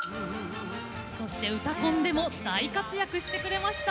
そして「うたコン」でも大活躍してくれました。